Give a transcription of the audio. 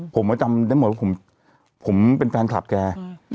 ผมก็จำได้หมดว่าผมเป็นแฟนคลับแก